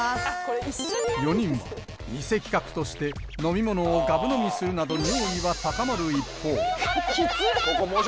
４人は偽企画として飲み物をがぶ飲みするなど尿意は高まる一方痛い痛い痛い痛い！